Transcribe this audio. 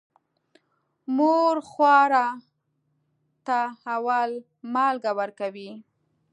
مور خواره ته اول مالګه ورکوي.